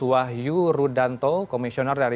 wahyu rudanto komisioner dari